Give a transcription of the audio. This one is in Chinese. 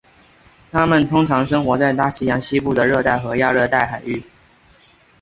它们通常生活在大西洋西部的热带和亚热带海域。